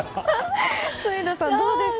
住田さん、どうでした？